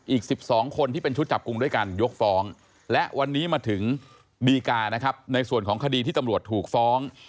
อีก๑๒คนที่เป็นชุดจับกลุ่มด้วยการยกฟ้องและวันนี้มาถึงดีกานะครับในส่วนของคดีที่ตำรวจถูกฟ้อง